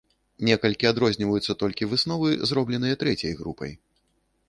Некалькі адрозніваюцца толькі высновы, зробленыя трэцяй групай.